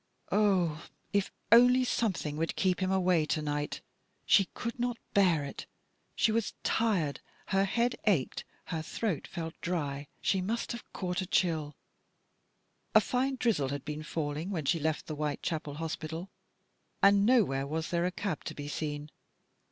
Oh, if only something would keep him away to night. She could not bear it. She was tired, her head ached, her throat felt dry, and she must have caught a chill. A fine drizzle had been falling when she left the Whitechapel Hos pital, and nowhere was there a cab to be seen.